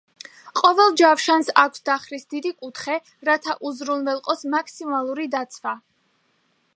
ყოველ ჯავშანს აქვს დახრის დიდი კუთხე, რათა უზრუნველყოს მაქსიმალური დაცვა.